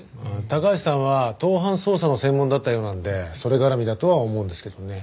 高橋さんは盗犯捜査の専門だったようなんでそれ絡みだとは思うんですけどね。